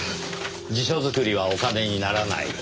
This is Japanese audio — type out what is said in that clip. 辞書作りはお金にならない。